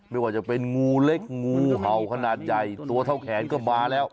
ไม่ว่าจะเป็นงูเล็กงูเห่าขนาดใหญ่ตัวเท่าแขนก็มาแล้ว